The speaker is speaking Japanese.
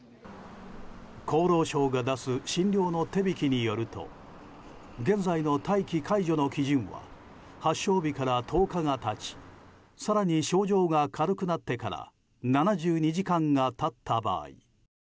厚労省が出す「診療の手引き」によると現在の待機解除の基準は発症日から１０日が経ち更に症状が軽くなってから７２時間が経った場合。